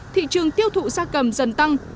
thị trường tiêu thụ gia cầm dần tăng